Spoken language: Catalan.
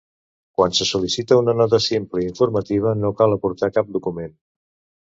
Quan se sol·licita una Nota simple informativa no cal aportar cap document.